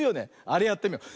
あれやってみよう。